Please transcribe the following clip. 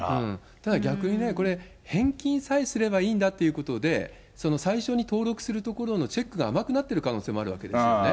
ただ逆にね、返金さえすればいいんだということで、最初に登録するところのチェックが甘くなってる可能性もあるわけですよね。